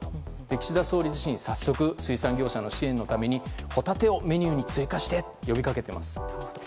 岸田総理自身は早速、水産業者の支援のためホタテをメニューに追加してと呼びかけています。